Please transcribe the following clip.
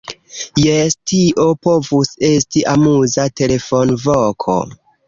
Jes, tio povus esti amuza telefonvoko!